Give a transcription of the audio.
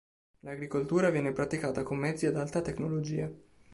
L'agricoltura viene praticata con mezzi ad alta tecnologia.